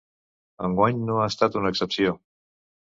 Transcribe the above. Enguany no ha estat una excepció.